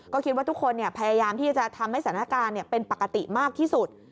ก็คิดว่าทุกคนพยายามที่จะทำให้สถานการณ์เป็นปกติมากที่สุด